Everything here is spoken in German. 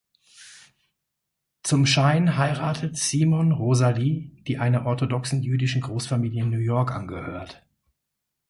Zum Schein heiratet Simon Rosalie, die einer orthodoxen jüdischen Großfamilie in New York angehört.